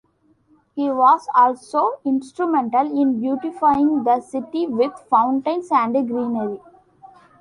He was also instrumental in beautifying the city with fountains and greenery.